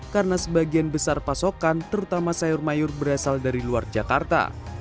karena sebagian besar pasokan terutama sayur mayur berasal dari luar jakarta